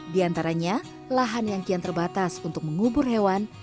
di antaranya lahan yang kian terbatas untuk mengubur hewan